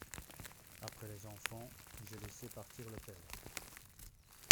Après les enfants, j'ai laissé partir le père.